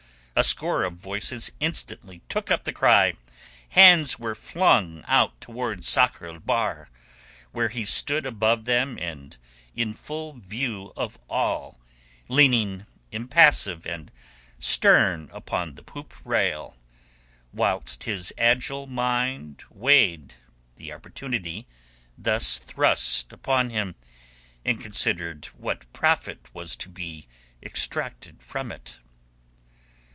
A score of voices instantly took up the cry; hands were flung out towards Sakr el Bahr, where he stood above them and in full view of all, leaning impassive and stern upon the poop rail, whilst his agile mind weighed the opportunity thus thrust upon him, and considered what profit was to be extracted from it.